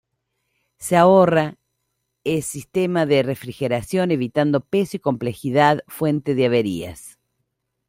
Se ahorra es sistema de refrigeración evitando peso y complejidad fuente de averías.